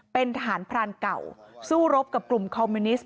เป็นทหารพรานเก่าสู้รบกับกลุ่มคอมมิวนิสต